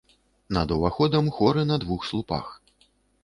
Над уваходам хоры на двух слупах.